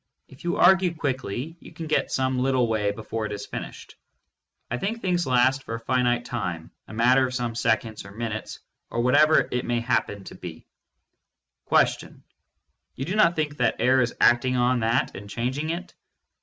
If you argue quickly, you can get some little way before it is finished. I think things last for a finite time, a matter of some seconds or minutes or what ever it may happen to be. You do not think that air is acting on that and chan ging it?